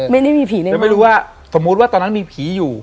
ไม่ได้มีผีแน่แล้วไม่รู้ว่าสมมุติว่าตอนนั้นมีผีอยู่